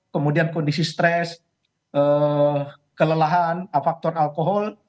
kemudian kondisi stres kelelahan faktor alkohol